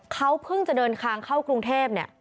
เขาเพิ่งจะเดินทางเข้ากรุงเทพเนี่ย